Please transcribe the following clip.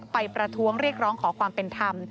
ประท้วงเรียกร้องขอความเป็นธรรม